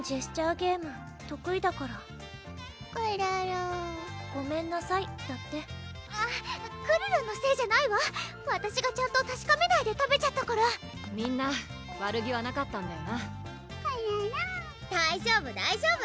ゲーム得意だからくるるん「ごめんなさい」だってあぁくるるんのせいじゃないわわたしがちゃんとたしかめないで食べちゃったからみんな悪気はなかったんだよなくるるん大丈夫大丈夫！